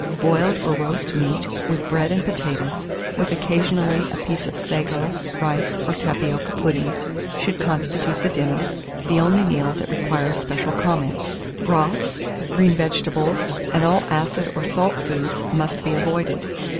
Boiled or roast meat, with bread and potatoes, with occasionally a piece of sago, rice, or tapioca pudding, should constitute the dinner, the only meal that requires special comment; broths, green vegetables, and all acid or salt foods, must be avoided.